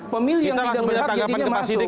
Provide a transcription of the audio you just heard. pemilih yang tidak berhak jadinya masuk